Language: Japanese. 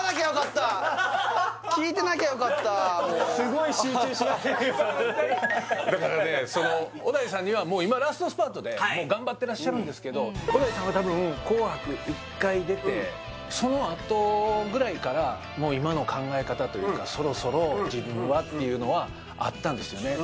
聞いてなきゃよかったもうすごい集中しまくりだからね小田井さんにはもう今ラストスパートで頑張ってらっしゃるんですけど小田井さんはたぶん紅白１回出てそのあとぐらいからもう今の考え方というかそろそろ自分はっていうのはあったんですよね